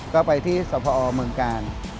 ก็ไปที่สพเมืองกาล